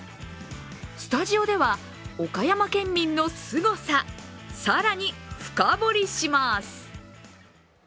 スタジオでは、岡山県民のすごさ、更に深掘りします。